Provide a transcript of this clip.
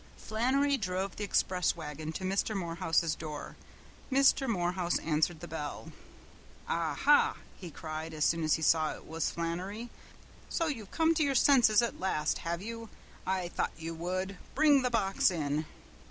Flannery drove the express wagon to Mr. Morehouse's door. Mr. Morehouse answered the bell. "Ah, ha!" he cried as soon as he saw it was Flannery. "So you've come to your senses at last, have you? I thought you would! Bring the box in."